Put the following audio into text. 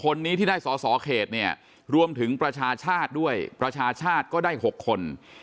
คนนี้ที่ได้สอสอเขตเนี่ยรวมถึงประชาชาติด้วยประชาชาติก็ได้๖คน